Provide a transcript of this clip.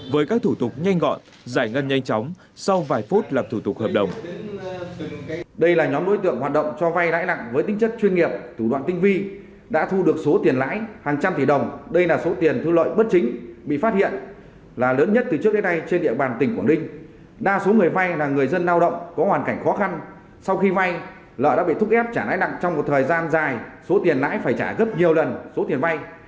với các thủ tục nhanh gọn giải ngân nhanh chóng sau vài phút lập thủ tục hợp đồng